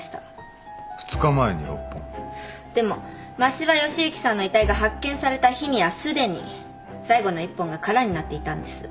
でも真柴義之さんの遺体が発見された日にはすでに最後の１本が空になっていたんです。